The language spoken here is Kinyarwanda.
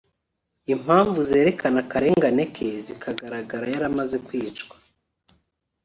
impamvu zerekana akarengane ke zikagaragara yaramaze kwicwa